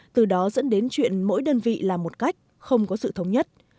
từ đó dẫn đến chuyện mỗi đơn vị làm một cách không có sự thống nhất